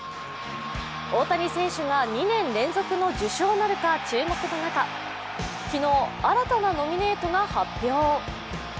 大谷選手が２年連続の受賞なるか注目の中、昨日、新たなノミネートが発表。